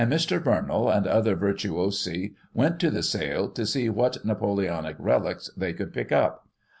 and Mr. Bernal and other virtuosi went to the sale to see what Napoleonic relics they could pick up.